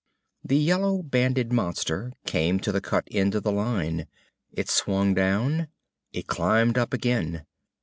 The yellow banded monster came to the cut end of the line. It swung down. It climbed up again.